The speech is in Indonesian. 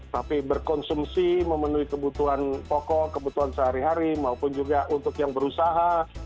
tapi berkonsumsi memenuhi kebutuhan pokok kebutuhan sehari hari maupun juga untuk yang berusaha